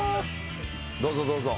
どうぞどうぞ。